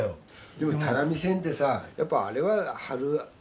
でも只見線ってさやっぱあれは春秋夏冬。